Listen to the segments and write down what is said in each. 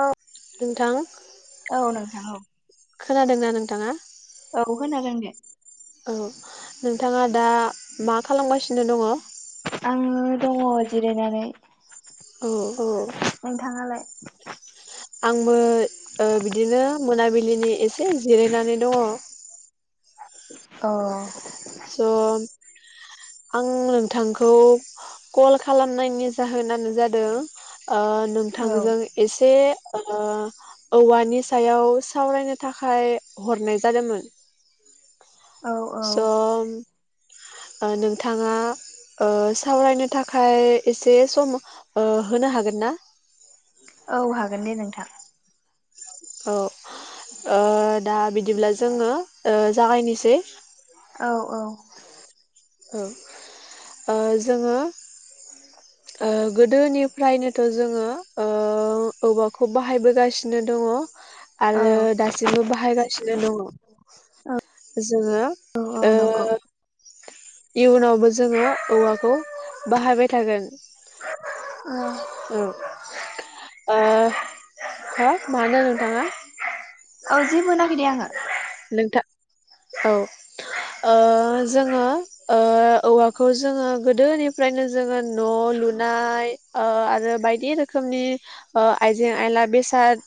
औ। थां। औ नोंथां औ। खोनादोंना नोंथाङा। औ खोनादों दे औ नोंथाङा दा मा खालामगासिनो दंङ। उम दंङ जिरायनानै औ थाङांलाय आंबो ओ बिदिनो मोनाबिलिनि एसे जिरायनानै दंङ औ स आं नोंथांखौ कल खालामनायनि जाहोनानो जादों ओ औ नोंथांजों एसे ओ औवानि सायाव सावरायनो थाखाय हरनाय जादोंमोन औ औ स ओ नोंथाङा ओ सावरायनो थाखाय एसे सम ओ होनो हागोन ना औ [unintelligible] औ ओ दा बिदिब्ला जोङो ओ जागायनोसै औ औ औ ओ जोङो ओ गोदोनिफ्रायनोथ' जोङो ओ औवाखौ बाहायबोगासिनो दङ औ आरो दासिमबो बाहायगासिनो औ दङ जोङो औ औ ओ नंगौ इउनावबो जोङो औवाखौ बाहायबाय थागोन औ औ ओ हा मानो नोंथांङा औ जेबो होनाखै दे आङो नोंथां औ ओ जोङो ओ औवाखौ जोङो गोदोनिफ्रायनो जोङो न' लुनाय ओ आरो बायदि रोखोमनि ओ आइजें आयला बेसाद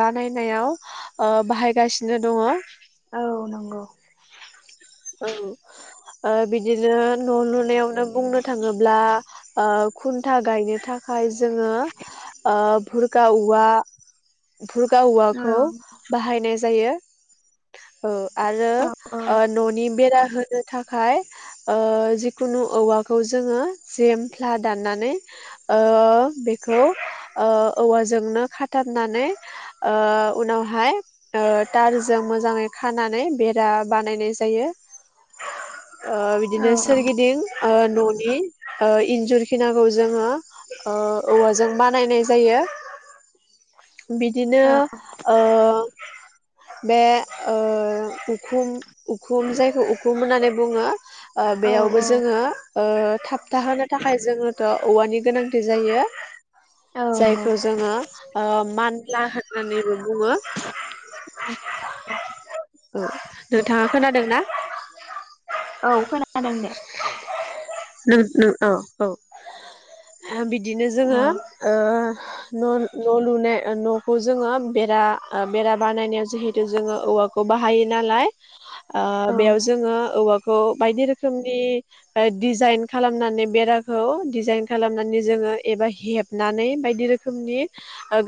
बानायनायाव ओ बाहायगासिनो दङ औ नंगौ औ ओ बिदिनो न' लुनायावनो बुंनो थाङोब्ला ओ खुन्था गायनो थाखाय जोङो ओ बुर्गा औवा बुरर्गा औ औवाखौ बाहायनाय जायो ओ आरो औ ओ न बेरा होनो थाखाय ओ जिखुनु औवाखौ जोङो जेमफ्ला दाननानै ओ बेखौ ओ औवाजोंनो खाथाबनानै ओ उनावहाय ओ थारजों मोजाङै खानानै बेरा बानायनाय जायो ओ औ बिदिनो सोरगिदिं ओ न' इ ओ इन्जुर खिनाखौ जोङो ओ औवाजों बानायनाय जायो बिदिनो ओ बे ओ उखुम उखुम जायखौ उखुम होननानै बुङो ओ औ बेयावबो औ जोङो ओ थाब दाहोनो थाखाय जोङोथ' औवानि गोनांथि जायो औ नंगौ जायखौ जोङो ओ मान लाहाजोनिबो बुंङो। [inaudible] नोंथाङा खोनादों ना? औ खोनादों दे। नो नो औ औ बि बिदिनो जोङो औ ओ न' न' लुनाय न'खौ जोङो बेरा बेरा बानायनायाव जिहेथु जोङो औवाखौ बाहायो नालाय अ ओ औ बेयाव जोङो औवा खौ बायदि रोखोमनि ओ डिजाइन खालामनानै बेराखौ डिजाइन खालामनानै जोङो एबा हेबनानै बायदि रोखोमनि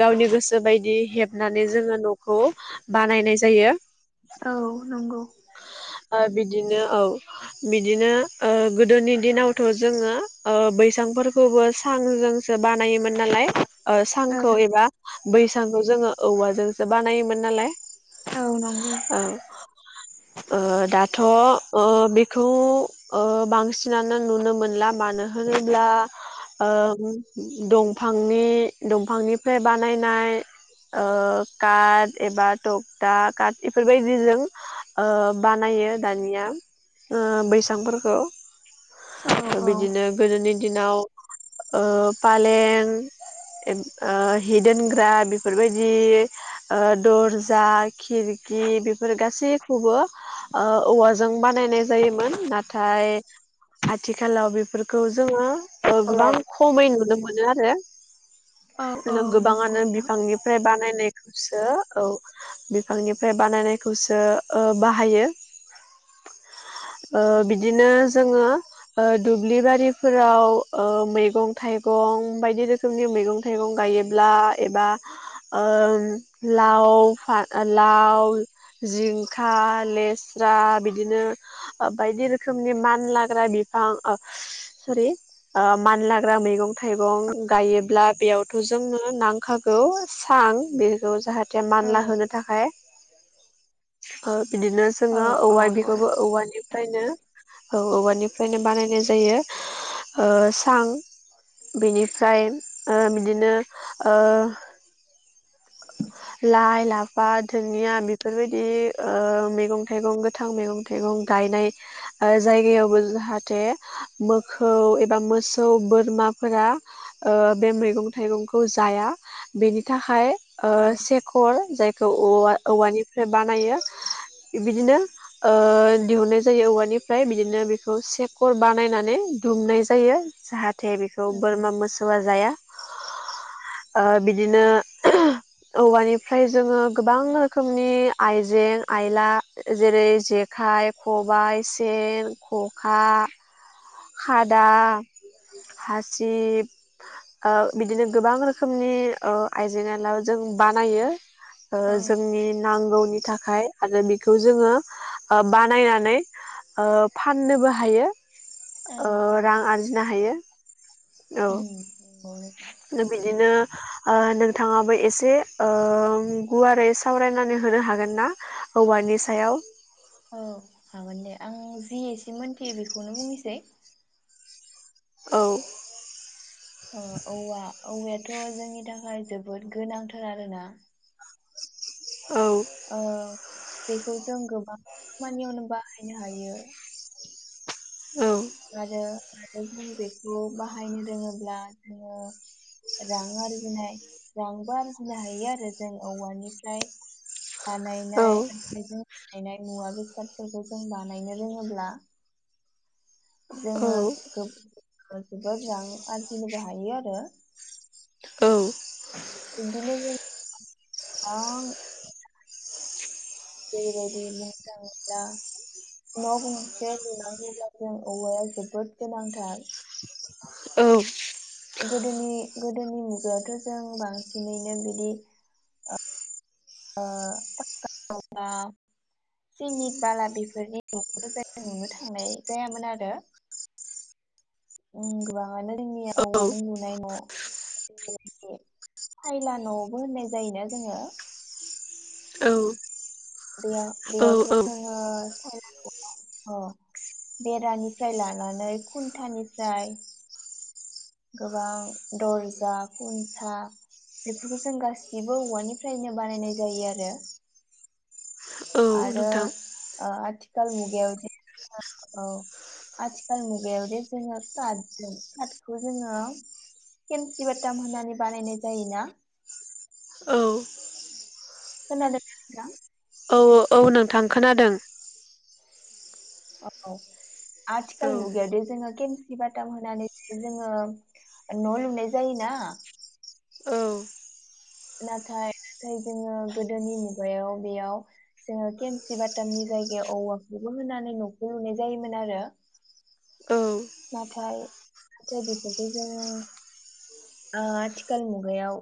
गावनि गोसो बायदि हेबनानै जोङो न'खौ बानायनाय जायो। औ नंगौ। ओ बिदिनो औ बिदिनो ओ गोदोनि दिनावथ' जोङो ओ बैसांफोरखौबो सांजों सो बानायोमोन नालाय ओ औ सांखौ एबा बैसांखौ जोङो। औवाजोंसो बानायोमोन नालाय औ नंगौ। औ ओ दाथ' ओ बेखौ ओ बांसिनानो नुनो मोनला मानो होनोब्ला ओ दंफांनि दंफांनिफ्राय बानायनाय ओ काट एबा थगकटा काट बेफोरबायदिजों ओ बानायो दानिया ओ बैसांफोरखौ औ थ' औ बिदिनो गोदोनि दिनाव ओ फालें ओ हि दोनग्रा बेफोरबायदि ओ दरजा खिरखि बेफोर गासै खौबो ओ औवाजों बानायनाय जायोमोन नाथाय आथिखालाव बेफोरखौ जोङो ओ गोबां खमै नुदोंमोन मोनो आरो। औ औ जोंनाव नंगौ गोबाङानो नोंथां बिफांनिफ्राय बानायनाय खौसो औ बिफांनिफ्राय बानायनायखौसो ओ बाहायो ओ बिदिनो जोङो ओ दुब्लि बारिफोराव ओ मैगं थाइगं बायदि रोखोमनि मैगं थाइगं गायोब्ला एबा ओ लाव फा लाव जिं खा, लेस्रा बिदिनो ओ बायदि रोखोमनि मानलाग्रा बिफां ओ सरि मानलाग्रा मैगं थाइगं गायोब्ला बेयावथ' जोंनो नांखागौ सां बेखौ जाहाथ दे औ मानला होनो थाखाय ओ बिदिनो औ जोङो औ औवा नंगौ बिखौबो नोंथां। औवानि फ्रायनो औ औवानिफ्रायनो बानायनाय जायो ओ सां बेनिफ्राय ओ बिदिनो ओ लाइ, लाफा, दुनिया बेफोरबायदि ओ मैगं थाइगं गोथां मैगं थाइगं गायनाय ओ जायगायावबो जाहाथे मोखौ एबा मोसौ बोरमाफोरा ओ बे मैगं थाइगंखौ जाया बेनि थाखाय औ खर जायखौ औवा औवानिफ्राय बानायो बिदिनो ओ दिहुननाय जायो औवानिफ्राय बिदिनो बेखौ सेकर बानायनानै दुमनाय जायो जाहाथ थे बेखौ बोरमा मोसौआ जाया। ओ बिदिनो औवानिफ्राय जोङो गोबां रोखोमनि आइजें आइला जेरै जेखाइ खबाय सेन खखा खादा हासिब ओ बिदिनो गोबां रोखोमनि ओ आइजें आइला जों बानायो। औ जोंनि नांगौनि थाख फाय आरो बिखौ जोङो ओ बानायनानै ओ फाननोबो हायो। ओ रां आरजिनो हायो। औ उम [unintelligible] बिदिनो नोंथाङाबो एसे गुवारै सावरायनानै होनो हागोन ना औवानि सायाव? औ हागोन दे आं जि एसे मोनथियो बेखौनो बुंनोसै। औ अ औवा औवायथ' जोंनि थाखाय जोबोद गोनांथार आरो ना औ बेखौ जों गोबां खामानियावनो बाहायनो हायो। आरो जों बेखौ बाहायनो रोङोब्ला जोङो रां आरजिनाय रांबो आरजिनो हायो आरो जों औवानिफ्राय बानायनाय आखाइजों बानायनाय मुवा बेसादफोरखौ जों बानायनो रोङोब्ला जोङो जोबोद रां आरजिनोबो हायो आरो बिनिफ्राइनो जों आ जेरैबायदि बुंनो थाङोब्ला न' गंसे लुनांगौब्ला जों औवाया जोबोद गोनांथार गोदोनि गोदोनि मुगायावथ' जों बांसिनैनो बिदि फाख्खा सिमिट बाला बेफोरनि न'खौनो नुनो थांनाय जायामोन आरो गोबाङानो जोंनि औवाजों लुनाय न' बाय सायला न'बो होननाय जायोना जोङो औ बेयाव औ बेयावथ' जोङो अ बेरानिफ्राय लानानै खुन्थानिफ्राय गोबां दर्जा खुन्था बेफोरखौ जों गासिबो औवानिफ्रायनो बानायनाय जायो औ आरो आरो नोंथां आथिखाल मुगायावदि औ आथिखाल मुगायावदि जोङो बे जोङो केमसि बाटाम होनानै बानायनाय जायोना औ खोनादों ना नोंथां औ औ नोंथां खोनादों औ औ आथिखाल मुगायाव दे जोङो केम मसि बाथाम होनानै जोङो न' लुनाय जायोना औ नाथाय नाथाय जोङो गोदोनि मुगायाव बेयाव जोङो खेसि बाथामनि जायगायाव औवाखौबो होनानै न'खौ लुनाय जायोमोन आरो औ नाथाय नाथाय बेफोरखौ जोङो ओ आथिखाल मुगायाव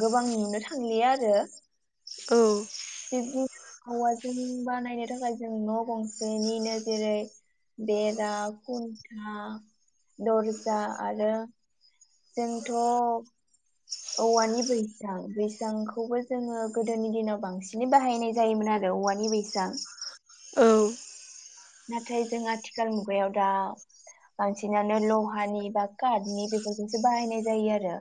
गोबां नुनो थांलिया आरो बिब्दि अवाजों बानायनो थाखाय जों न' गंसेनिनो जेरै बेरा, खुन्था, दर्जा आरो जोंथ' औवानि बैसां बैसांखौबो जोङो गोदोनि दिनाव बांसिनै बाहायनाय जायोमोन आरो औवानि बैसां नाथाय जों आथिखाल मुगायाव दा बांसिनानो लहानि बा कारटनि बेफोरखौसो बाहायनाय जायो आरो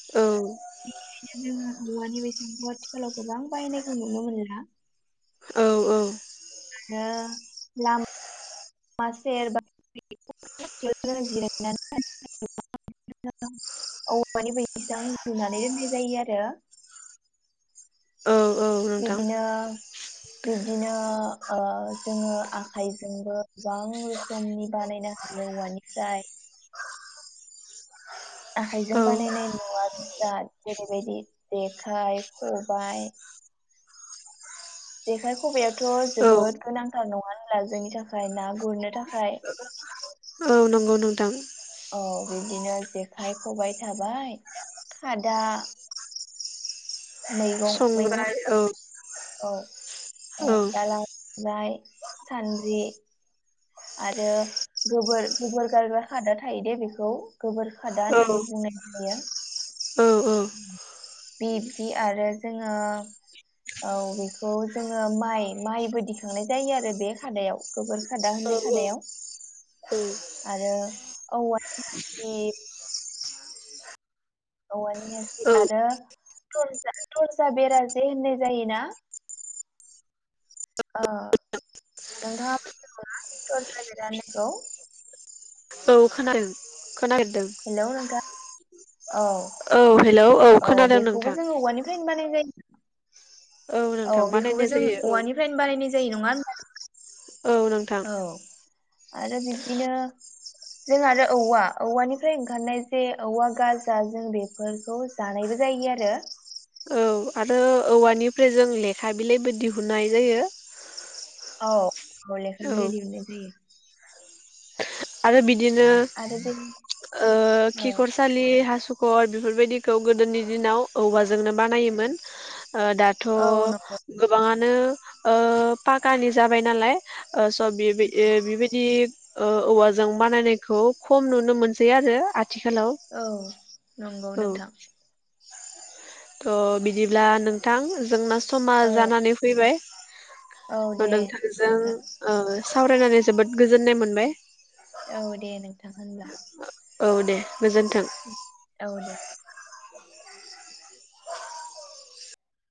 औ बेनिखायनो जोङो औवानि बेैसांखौ आथिखालाव गोबां बाहायनायखौ नुनो मोनला औ आरो ह लाम लामा सेर जिरायनानै औवानि बायदिसिना रुनानै दोननाय जायो आरो। औ नोंथां बिब्दिनो बिब्दिनो जोङो ओ आखाइजोंबो गोबां रोखोमनि बानायनो हायो औवानिफ्राय आखाइजों औ बानायनाय न'आ जा जेरैबायदि जेखाइ, खबाय। जेखाय खबाइआथ' औ जोबोद गोनांथार नङा होनला जोंनि थाखाय ना गुरनो थाखाय? औ नंगौ नोंथां। औ बिब्दिनो जेखाइ, खबाय थाबाय खादा मैगं मैगं संग्राय औ औ औ दालाइ सान्द्रि आरो गोबोर, गोबोर गालग्रा खादा थायो दे बेखौ गोबोर खादा औ होननानै बुंनाय जायो। औ बिब्दि आरो जोङो औ बेखौ जोङो माइ माइबो दिखांनाय जायो आरो बे खादायाव गोबोर खादा होननाय खादायाव आरो औवानि हासिब। औवानि औ हासिब आरो टर्सा टर्सा बेरा जे होननाय जायोना ओ नोंथाङा मोनथिगौना टर्सा बेरा होननायखौ? औ [unintelligible] हेल' नोंथां औ औ हेलौ औ खोनादों नोंथां बेखौबो जों औवानिफ्रायनो बानायनाय जायो। औ नोंथां बेखौबो बानायनाय जों जायो औवानिफ्रायनो बानायनाय जायो नङा होनबा? औ औ नोंथां औ आरो बिब्दिनो जों आरो औवा औवानिफ्राय ओंखारनाय जे औवा गाजा जों बेफोरखौ जानायबो जायो आरो। औ आरो औवानिफ्राय जों लेखा बिलाइबो दिहुननाय जायो। औ। अ लेखा बिलाइ औ दिहुनाय जायो। आरो बिद दिनो आरो बे ओ औ खिखरसालि हासुं खर बेफोरबायदिखौ गोदोनि दिनाव औवाजोंनो बानायोमोन दाथ' औ नंगौ गोबाङा नों ओ पाकानि जाबाय नालाय [unintelligible] स' बे बेबायदि औ औवा जों बानायनायखौ खम नुनो मोनसै आरो आंथ औ नंगौ नोंथां। थ' बिदिब्ला नोंथां जोंना समा औ जानानै फैबाय औ दे नोंथांजों नोंथां ओ सावरायनानै जोबोद गोजोननाय मोनबाय। औ दे नों थां होनब्ला। औ दे। गोजोन्थों। औ दे।